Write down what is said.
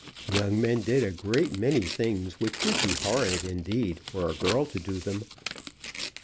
Young men did a great many things which would be horrid indeed were a girl to do them.